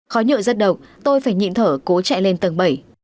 khói nhựa rất độc tôi phải nhịn thở cố chạy lên tầng bảy